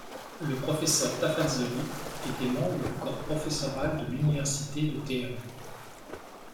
Le professeur Tafazzoli était membre du corps professoral de l'université de Téhéran.